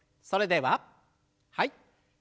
それでははい。